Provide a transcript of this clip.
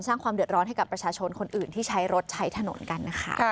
สร้างความเดือดร้อนให้กับประชาชนคนอื่นที่ใช้รถใช้ถนนกันนะคะ